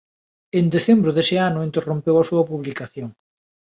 En decembro dese ano interrompeu a súa publicación.